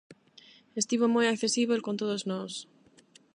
Estivo moi accesíbel con todos nós.